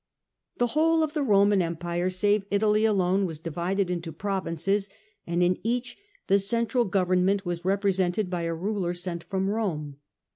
The whole of the Roman empire, save Italy alone, was divided into provinces, and in each the central govern ment was represented by a ruler sent from Rome.